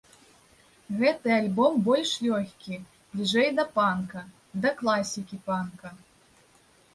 Гэты альбом больш лёгкі, бліжэй да панка, да класікі панка.